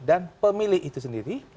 dan pemilih itu sendiri